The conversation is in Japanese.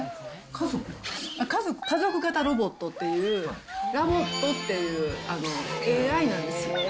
家族型ロボットっていう、ラボットっていうＡＩなんですよ。